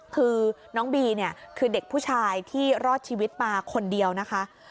คือน้องบีเนี่ยคือเด็กผู้ชายที่รอดชีวิตมาคนเดียวนะคะ